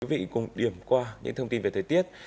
quý vị cùng điểm qua những thông tin về thời tiết